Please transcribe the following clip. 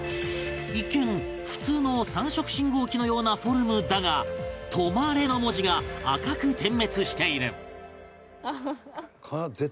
一見普通の３色信号機のようなフォルムだが「とまれ」の文字が赤く点滅している